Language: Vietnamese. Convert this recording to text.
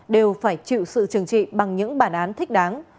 đều phải chịu sự trừng trị bằng những bản án thích đáng